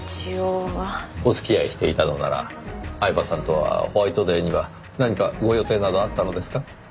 お付き合いしていたのなら饗庭さんとはホワイトデーには何かご予定などあったのですか？